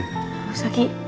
gak usah ki